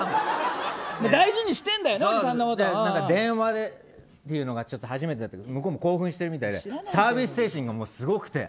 大事にしてるんだよな電話でっていうのが初めてで向こうも興奮してるみたいでサービス精神がすごくて。